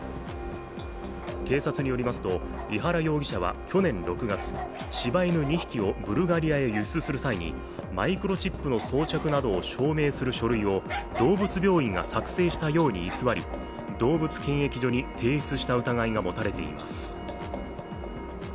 警察によりますと、井原容疑者は去年６月、柴犬２匹をブルガリアへ輸出する際にマイクロチップの装着などを証明する書類を動物病院が作成したように偽り動物検疫所に提出した疑いが持たれています。